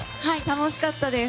楽しかったです。